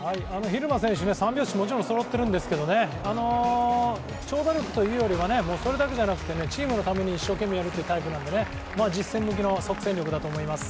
蛭間選手、三拍子もちろんそろっているんですけど、長打力というよりは、それよりチームのために一生懸命やるというタイプなので、実戦向きの即戦力だと思いますね。